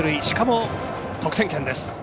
しかも得点圏です。